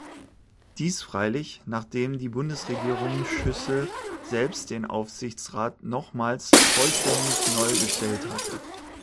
Dies freilich, nachdem die Bundesregierung Schüssel selbst den Aufsichtsrat nochmals vollständig neu bestellt hatte.